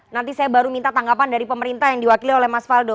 nanti saya baru minta tanggapan dari pemerintah yang diwakili oleh mas faldo